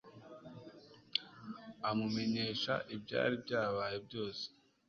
amumenyesha ibyari byabaye byose